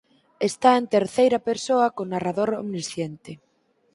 Está en terceira persoa con narrador omnisciente.